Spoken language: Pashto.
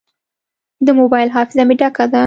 د موبایل حافظه مې ډکه ده.